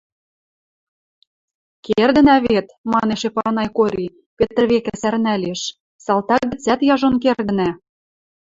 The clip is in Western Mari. — Кердӹнӓ вет, — манеш Эпанай Кори, Петр векӹ сӓрнӓлеш, — салтак гӹцӓт яжон кердӹнӓ.